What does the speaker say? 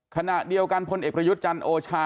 ขณะเดียวกันพลเอกประยุทธ์จันทร์โอชา